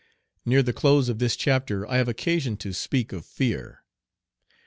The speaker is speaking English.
Near the close of this chapter I have occason to speak of fear.